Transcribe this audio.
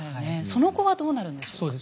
その後はどうなるんでしょう。